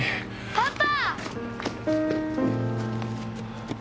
パパ！